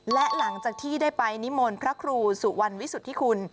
และหลังจากที่ได้ไปนิมนต์พระครูสุวรรณวิสุทธิคุณ